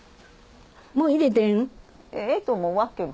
もう入れてええん？